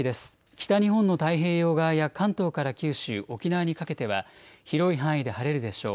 北日本の太平洋側や関東から九州、沖縄にかけては広い範囲で晴れるでしょう。